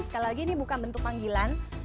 sekali lagi ini bukan bentuk panggilan